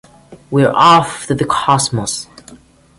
We're off into the cosmos!